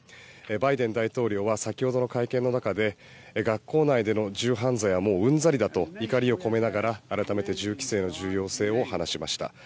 バイデン大統領は先ほどの会見の中で学校内での銃犯罪はもううんざりだと怒りを込めながら改めて銃規制の重要性を話しました。